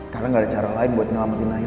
karena gak ada cara lain buat ngelamatin nayla